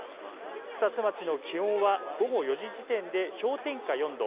草津町の気温は午後４時時点で氷点下４度。